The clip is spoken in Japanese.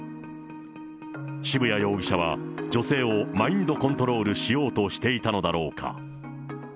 渋谷容疑者は女性をマインドコントロールしようとしていたのだろうか。